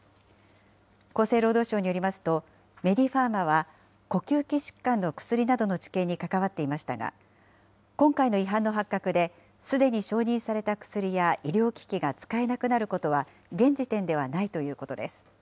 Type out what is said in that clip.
厚生労働省によりますと、メディファーマは呼吸器疾患の薬などの治験に関わっていましたが、今回の違反の発覚で、すでに承認された薬や医療機器が使えなくなることは、現時点ではないということです。